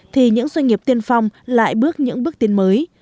thì những doanh nghiệp tiên phong lại bước những bước tiến mới